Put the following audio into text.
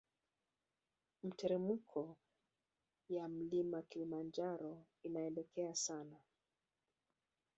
Miteremko ya mlima kilimanjaro inaelekea sana